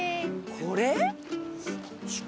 これ？